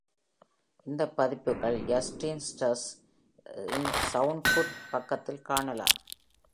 இந்த பதிப்புகள், Justin Strauss இன் Soundcloud பக்கத்தில் காணலாம்.